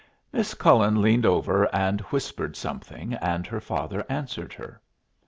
Miss Cullen leaned over and whispered something, and her father answered her.